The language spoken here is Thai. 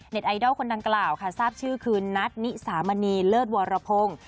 ไอดอลคนดังกล่าวค่ะทราบชื่อคือนัทนิสามณีเลิศวรพงศ์